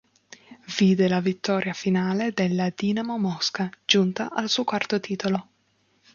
Vide la vittoria finale della Dinamo Mosca, giunta al suo quarto titolo.